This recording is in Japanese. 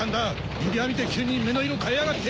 指輪を見て急に目の色変えやがって。